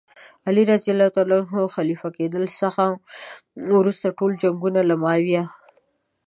علي رض د خلیفه کېدلو څخه وروسته ټول جنګونه له معاویه.